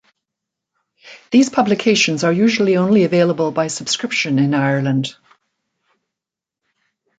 These publications are usually only available by subscription in Ireland.